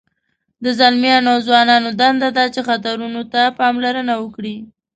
د ځلمیانو او ځوانانو دنده ده چې خطرونو ته پاملرنه وکړي.